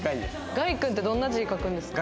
ガイ君ってどんな字書くんですか？